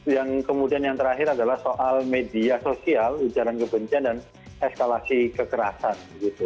yang kemudian yang terakhir adalah soal media sosial ujaran kebencian dan eskalasi kekerasan